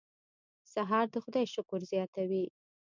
سهار د خدای شکر زیاتوي.